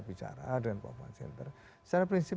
bicara dengan papa center secara prinsip